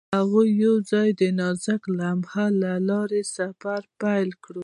هغوی یوځای د نازک لمحه له لارې سفر پیل کړ.